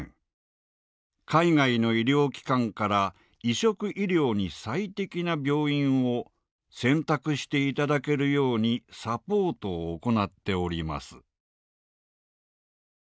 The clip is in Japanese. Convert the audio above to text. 海外の医療機関から移植医療に最適な病院を選択していただけるようにサポートを行っております」。